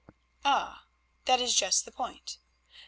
"Ah! that is just the point.